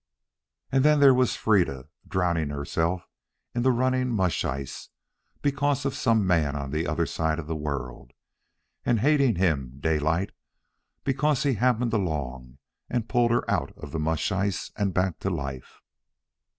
And then there was Freda, drowning herself in the running mush ice because of some man on the other side of the world, and hating him, Daylight, because he had happened along and pulled her out of the mush ice and back to life.